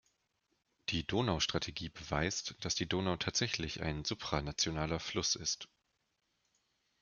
Die Donaustrategie beweist, dass die Donau tatsächlich ein supranationaler Fluss ist.